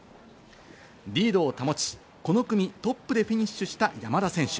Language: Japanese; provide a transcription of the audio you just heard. リードを保ち、この組トップでフィニッシュした山田選手。